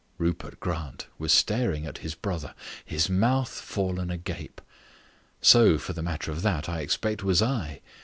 Rupert Grant was staring at his brother, his mouth fallen agape. So, for the matter of that, I expect, was I.